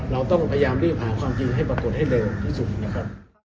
เราต้องพยายามรีบหาความจริงให้ปรากฏให้เร็วที่สุดนะครับ